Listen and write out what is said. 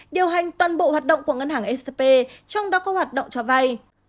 điều hành toàn bộ hoạt động của ngân hàng scp trong đó có hoạt động cho vay